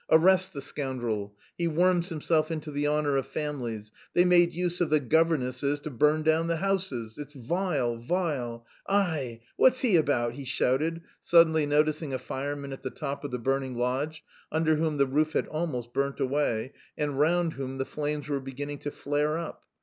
Arrest the scoundrel! He worms himself into the honour of families. They made use of the governesses to burn down the houses. It's vile, vile! Aie, what's he about?" he shouted, suddenly noticing a fireman at the top of the burning lodge, under whom the roof had almost burnt away and round whom the flames were beginning to flare up.